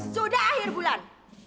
sudah akhir bulan